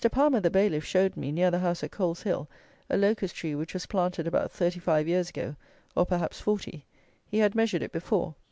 Palmer, the bailiff, showed me, near the house at Coleshill, a Locust tree, which was planted about 35 years ago, or perhaps 40. He had measured it before.